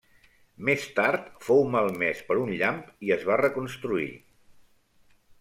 Més tard fou malmès per un llamp i es va reconstruir.